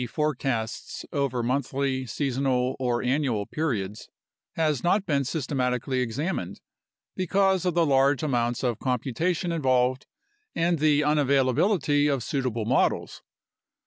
forecasts over monthly, seasonal, or annual periods) has not been systematically examined because of the large amounts of computation involved and the unavailability of suitable models.